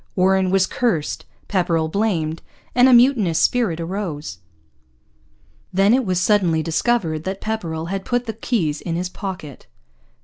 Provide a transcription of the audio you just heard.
Warren was cursed, Pepperrell blamed; and a mutinous spirit arose. Then it was suddenly discovered that Pepperrell had put the keys in his pocket.